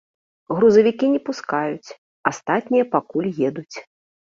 Грузавікі не пускаюць, астатнія пакуль едуць.